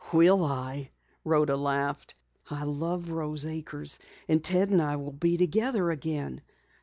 "Will I?" Rhoda laughed. "I love Rose Acres, and Ted and I will be together again!